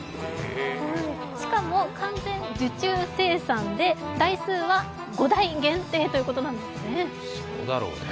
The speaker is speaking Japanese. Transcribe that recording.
しかも完全受注生産で、台数は５台限定ということなんです。